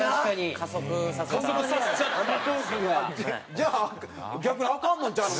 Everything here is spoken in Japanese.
じゃあ逆にアカンのんちゃうの？